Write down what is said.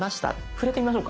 触れてみましょうか。